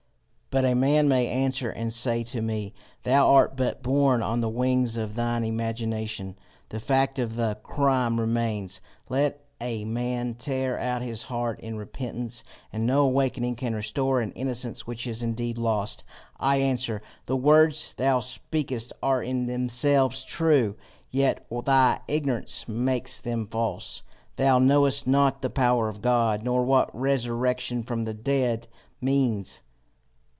"But a man may answer and say to me 'Thou art but borne on the wings of thine imagination. The fact of the crime remains, let a man tear out his heart in repentance, and no awaking can restore an innocence which is indeed lost.' I answer: The words thou speakest are in themselves true, yet thy ignorance makes them false, Thou knowest not the power of God, nor what resurrection from the dead means.